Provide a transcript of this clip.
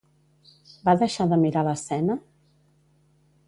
Va deixar de mirar l'escena?